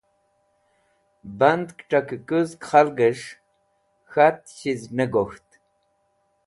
Band kẽt̃akẽkũzg khakgẽs̃h k̃hat chiz ne gok̃ht.